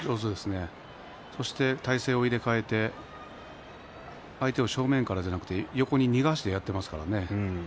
体勢を入れ替えて相手を正面からではなく横に逃がしてやっていますからね。